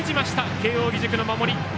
慶応義塾の守りです。